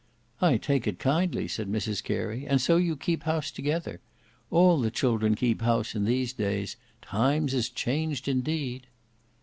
"I take it kindly," said Mrs Carey; "and so you keep house together! All the children keep house in these days. Times is changed indeed!"